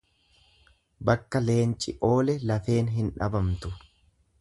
Bakka leenci oole lafeen hin dhabamtu.